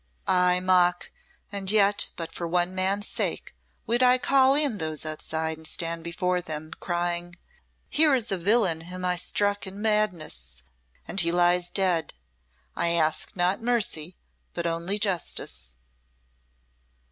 Ay, mock and yet, but for one man's sake, would I call in those outside and stand before them, crying: 'Here is a villain whom I struck in madness and he lies dead! I ask not mercy, but only justice.'"